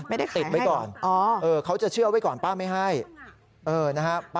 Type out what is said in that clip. ไม่ได้ขายให้ก่อนเขาจะเชื่อไว้ก่อนป้าไม่ให้นะฮะ